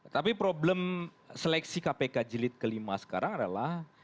tapi problem seleksi kpk jelit kelima sekarang adalah